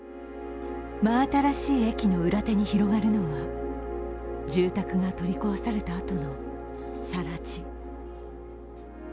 真新しい駅の裏手に広がるのは住宅が取り壊されたあとの更地。